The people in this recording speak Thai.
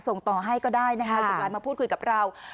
ส่งต่อให้ก็ได้นะคะส่งไลน์มาพูดคุยกับเรา